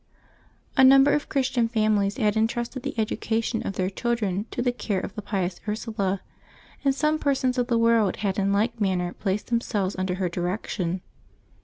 H NUMBER of Christian families had intrusted the edu cation of their children to the care of the pious Ursula, and some persons of the world had in like manner placed themselves under her direction.